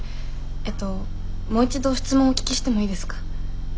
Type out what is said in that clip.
えっともう一度質問お聞きしてもいいですか？